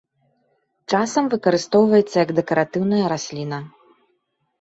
Часам выкарыстоўваецца як дэкаратыўная расліна.